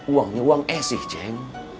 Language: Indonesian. uangnya uang esih jeng